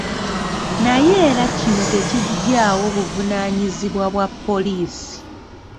Naye era kino tekiggyaawo buvunaanyizibwa bwa poliisi.